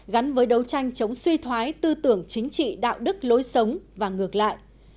gắn với đấu tranh chống suy thoái tư tưởng chính trị đạo đức lối sống và ngược lại